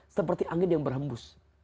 seperti angin yang berhembus